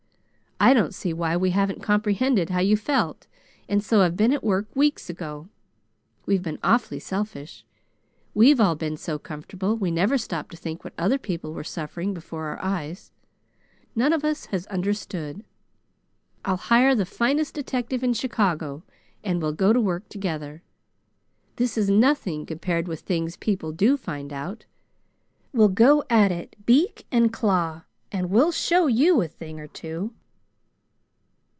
I don't see why we haven't comprehended how you felt and so have been at work weeks ago. We've been awfully selfish. We've all been so comfortable, we never stopped to think what other people were suffering before our eyes. None of us has understood. I'll hire the finest detective in Chicago, and we'll go to work together. This is nothing compared with things people do find out. We'll go at it, beak and claw, and we'll show you a thing or two."